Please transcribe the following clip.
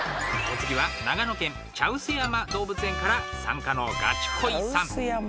お次は長野県茶臼山動物園から参加のガチ恋さん